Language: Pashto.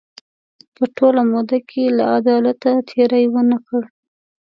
په ټوله موده کې له عدالته تېری ونه کړ.